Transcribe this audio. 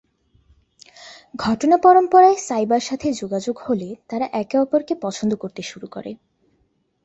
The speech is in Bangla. ঘটনা পরম্পরায় সাইবার সাথে যোগাযোগ হলে তারা একে অপরকে পছন্দ করতে শুরু করে।